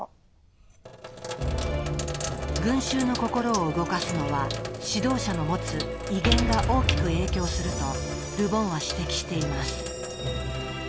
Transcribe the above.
群衆の心を動かすのは指導者の持つ「威厳」が大きく影響するとル・ボンは指摘しています。